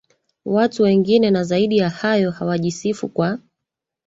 watu wengine na zaidi ya hayo hawajisifu kwa